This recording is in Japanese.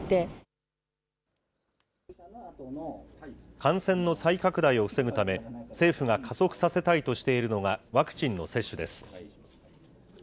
感染の再拡大を防ぐため、政府が加速させたいとしているのがワクチンの接種です。